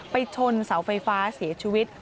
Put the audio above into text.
ชนเสาไฟฟ้าเสียชีวิต